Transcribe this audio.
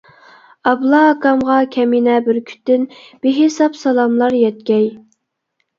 ئابلا ئاكامغا كەمىنە بۈركۈتتىن بىھېساب سالاملار يەتكەي!